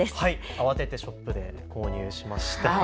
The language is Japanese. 慌ててショップで購入しました。